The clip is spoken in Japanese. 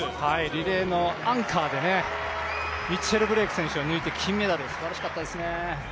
リレーのアンカ−でミッチェル・ブレイク選手を抜いて金メダル、すばらしかったですね。